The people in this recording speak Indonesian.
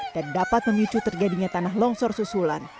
dan dapat memicu terjadinya tanah longsor susulan